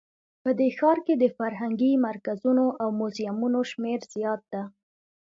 په دې ښار کې د فرهنګي مرکزونو او موزیمونو شمیر زیات ده